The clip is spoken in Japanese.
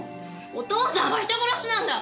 お父さんは人殺しなんだ！